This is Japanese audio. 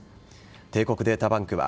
帝国データバンクは